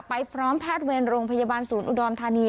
พร้อมแพทย์เวรโรงพยาบาลศูนย์อุดรธานี